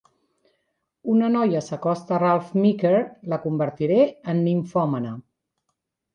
Una noia s'acosta a Ralph Meeker, la convertiré en nimfòmana.